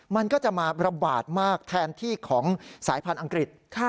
มันก็จะมาระบาดมากแทนที่ของสายพันธุ์อังกฤษ